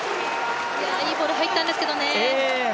いいボール入ったんですけどね。